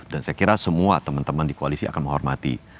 dan saya kira semua teman teman di koalisi akan menghormati